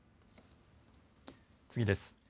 次です。